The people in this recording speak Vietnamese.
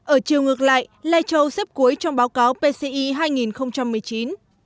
ở chiều ngược lại lai châu xếp cuối trong báo cáo pci hai nghìn một mươi chín